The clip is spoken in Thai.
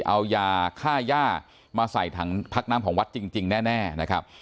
เอายาค่าย่ามาใส่ถังพักน้ำของวัดจริงแน่นะครับ